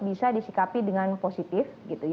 bisa disikapi dengan positif